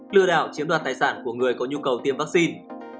lừa đảo chiếm đoạt tài sản của người có nhu cầu tiêm vaccine